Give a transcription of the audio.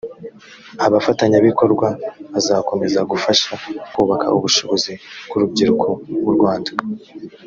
abafatanyabikorwa bazakomeza gufasha kubaka ubushobozi bw urubyiruko murwanda